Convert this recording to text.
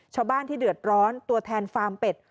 ชาวบ้านที่เดือดร้อนตัวแทนฟาร์มเป็ด